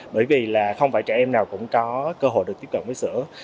bởi vì là không phải trẻ em nào cũng có cơ hội được tiếp cận với sữa